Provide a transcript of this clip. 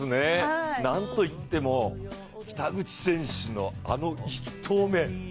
なんといっても北口選手の、あの１投目。